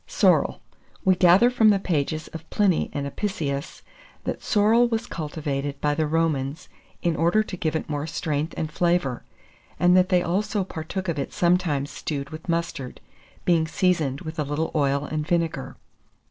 [Illustration: SORREL.] SORREL. We gather from the pages of Pliny and Apicius, that sorrel was cultivated by the Romans in order to give it more strength and flavour, and that they also partook of it sometimes stewed with mustard, being seasoned with a little oil and vinegar.